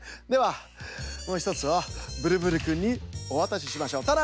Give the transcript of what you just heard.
ではもうひとつをブルブルくんにおわたししましょう。